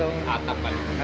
atapnya mahal ya